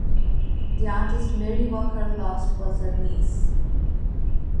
The artist Marie Walker Last was her niece.